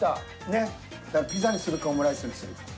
ねっピザにするかオムライスにするか。